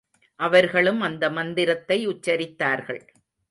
அவர்களும் அந்த மந்திரத்தை உச்சரித்தார்கள்.